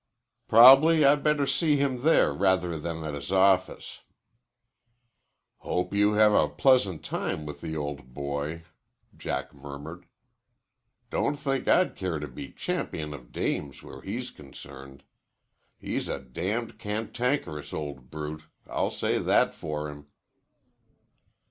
"Prob'ly I'd better see him there rather than at his office." "Hope you have a pleasant time with the old boy," Jack murmured. "Don't think I'd care to be a champion of dames where he's concerned. He's a damned cantankerous old brute. I'll say that for him."